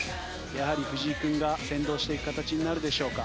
やはり藤井君が先導していく形になるでしょうか。